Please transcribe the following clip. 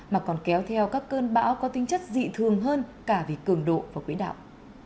mà còn kéo theo các cơn bão có tinh chất dị thường hơn cả về cường độ và quỹ đạo